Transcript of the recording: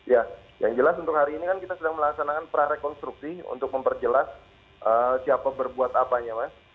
ya yang jelas untuk hari ini kan kita sedang melaksanakan prarekonstruksi untuk memperjelas siapa berbuat apanya mas